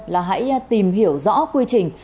là hãy tìm hiểu rõ quy trình